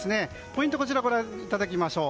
ポイントはこちらです。